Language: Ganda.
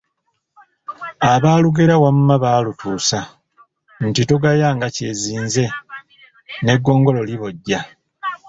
Abaalugera wamma baalutuusa, nti togayanga kyezinze, n'eggongolo libojja.